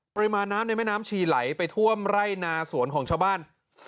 ปริมาณน้ำในแม่น้ำชีไหลไปท่วมไร่นาสวนของชาวบ้าน